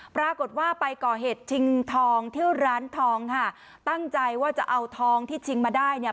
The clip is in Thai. ปรากฏว่าไปก่อเหตุชิงทองที่ร้านทองค่ะตั้งใจว่าจะเอาทองที่ชิงมาได้เนี่ย